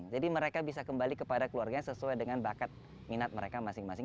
jadi mereka bisa kembali kepada keluarganya sesuai dengan bakat minat mereka masing masing